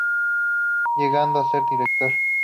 Llegando a ser Director.